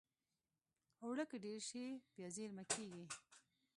اوړه که ډېر شي، بیا زېرمه کېږي